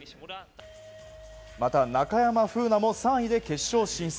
また中山楓奈も３位で決勝進出。